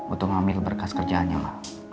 untuk ngambil berkas kerjaannya mah